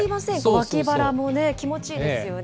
脇腹も気持ちいいですよね。